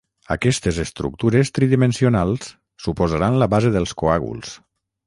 Aquestes estructures tridimensionals suposaran la base dels coàguls.